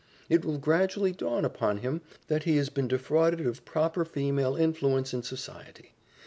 It will gradually dawn upon him that he has been defrauded of proper female influence and society.